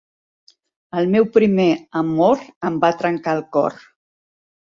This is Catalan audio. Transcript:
El meu primer amor em va trencar el cor.